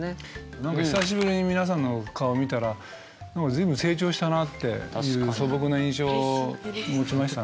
何か久しぶりに皆さんの顔見たら随分成長したなっていう素朴な印象を持ちましたね。